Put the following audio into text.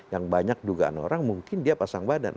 yang banyak dugaan orang mungkin dia pasang badan